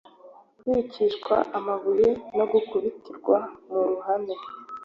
kwicishwa amabuye no gukubitirwa mu ruhame